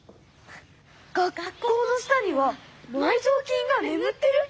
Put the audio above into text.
学校の下には埋蔵金がねむってる！？